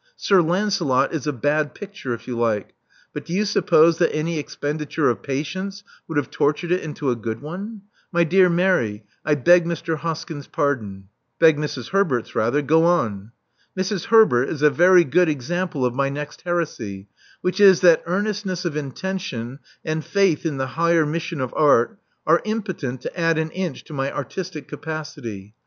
*Sir Lancelot' is a bad picture, if you like; but do you suppose that any expenditure of patience would have tortured it into a good one? My dear Mary — I beg Mr. Hoskyn's pardon " Beg Mrs. Herbert's, rather. Go on.*' Mrs. Herbert is a very good example of my next heresy, which is, that earnestness of intention, and faith in the higher mission of art,' are impotent to add an inch to my artistic capacity.